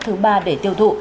thứ ba để tiêu thụ